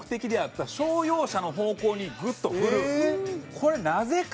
これなぜか？